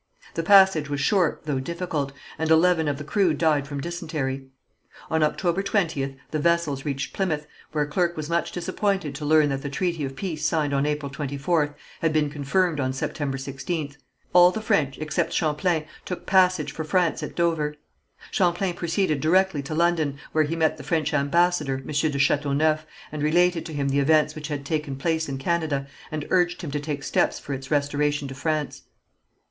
The passage was short though difficult, and eleven of the crew died from dysentery. On October 20th the vessels reached Plymouth, where Kirke was much disappointed to learn that the treaty of peace signed on April 24th had been confirmed on September 16th. All the French, except Champlain, took passage for France at Dover. Champlain proceeded directly to London, where he met the French ambassador, M. de Chateauneuf, and related to him the events which had taken place in Canada, and urged him to take steps for its restoration to France.